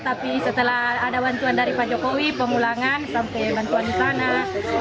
tapi setelah ada bantuan dari pak jokowi pemulangan sampai bantuan di sana